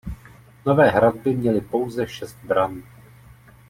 Nové hradby měly pouze šest bran.